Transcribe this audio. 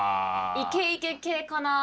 イケイケ系かな。